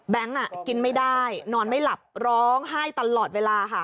กินไม่ได้นอนไม่หลับร้องไห้ตลอดเวลาค่ะ